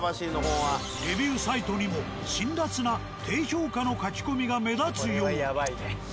レビューサイトにも辛辣な低評価の書き込みが目立つように。